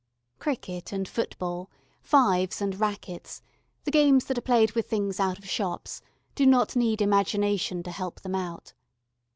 Cricket and football, fives and racquets, the games that are played with things out of shops, do not need imagination to help them out.